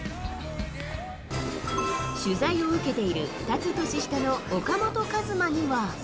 取材を受けている２つ年下の岡本和真には。